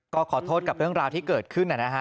ก็ขอโทษกับเรื่องราวที่เกิดขึ้นนะฮะ